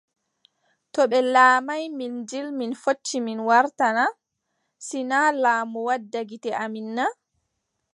To ɓe laamaay Minjil mi fotti mi warta na ? Si naa laamu waɗa gite amin naa ?